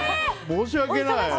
申し訳ない。